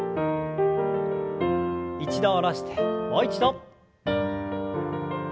一度下ろしてもう一度。